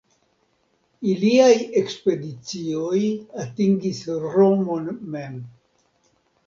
Iliaj ekspedicioj atingis Romon mem.